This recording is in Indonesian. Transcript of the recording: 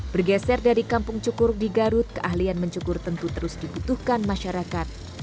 bergeser dari kampung cukur di garut keahlian mencukur tentu terus dibutuhkan masyarakat